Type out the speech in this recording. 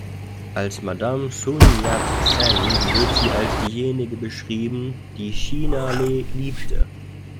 Als Madame Sun Yat-sen wird sie als diejenige beschrieben, „die China liebte“.